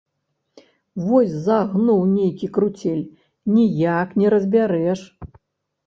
Вось загнуў нейкі круцель, ніяк не разбярэш!